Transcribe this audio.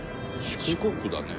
四国だね。